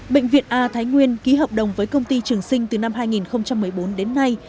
bệnh viện a thái nguyên ký hợp đồng với công ty trường sinh từ năm hai nghìn một mươi bốn đến nay